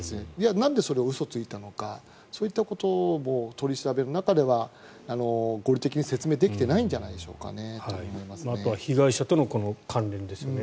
なんでその嘘をついたのかそういったことも取り調べの中では合理的に説明できてないんじゃあとは被害者との関連ですよね。